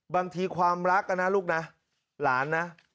บางทีความรักนะลูกนะหลานนะ